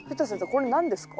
これ何ですか？